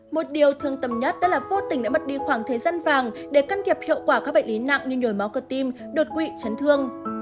một điều thương tâm nhất đó là vô tình đã mất đi khoảng thế gian vàng để cân kiệp hiệu quả các bệnh lý nặng như nhồi máu cơ tim đột quỵ chấn thương